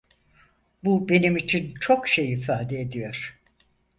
Bu benim için çok şey ifade ediyor.